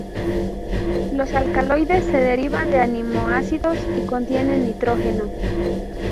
Los alcaloides se derivan de aminoácidos y contienen nitrógeno.